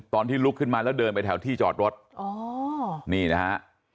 ตอนที่ลุกขึ้นมาแล้วเดินไปแถวที่จอดรถอ๋อนี่นะฮะ